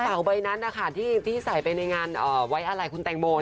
กระเป๋าใบนั้นที่ใส่ไปในงานไว้อาลัยคุณแต่งโบ